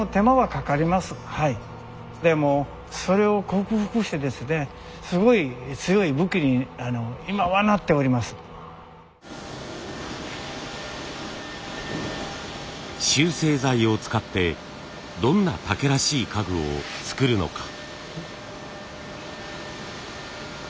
今までにない集成材を使ってどんな竹らしい家具を作るのか。